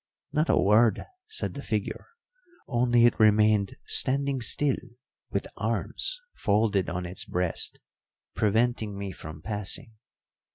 Not a word said the figure; only itremained standing still with arms folded on its breast, preventing me from passing.